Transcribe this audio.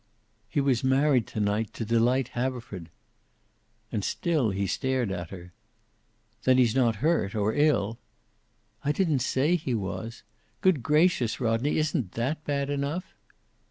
"He was married to night to Delight Haverford." And still he stared at her. "Then he's not hurt, or ill?" "I didn't say he was. Good gracious, Rodney, isn't that bad enough?"